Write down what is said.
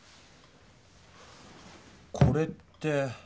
これって？